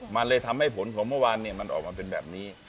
มันเลยทำให้ผลของเมื่อวานมันออกมาเป็นแบบนี้